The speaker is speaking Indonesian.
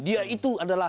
dia itu adalah